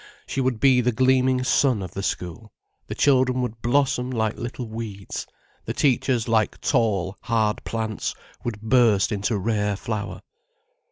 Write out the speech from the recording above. She would be the gleaming sun of the school, the children would blossom like little weeds, the teachers like tall, hard plants would burst into rare flower.